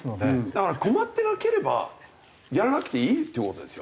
だから困ってなければやらなくていいって事ですよ。